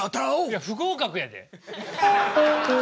いや不合かくやで。